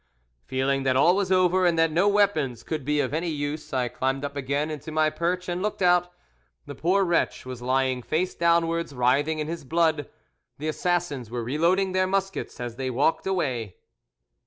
Feeling that all was over, and that no weapons could be of any use, I climbed up again into my perch and looked out. The poor wretch was lying face downwards writhing in his blood; the assassins were reloading their muskets as they walked away.